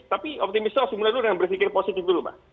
tapi optimisnya harus mulai dulu dengan berpikir positif dulu pak